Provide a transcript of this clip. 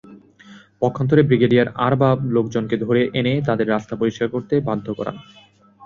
পক্ষান্তরে ব্রিগেডিয়ার আরবাব লোকজন ধরে এনে তাদের রাস্তা পরিষ্কার করাতে বাধ্য করান।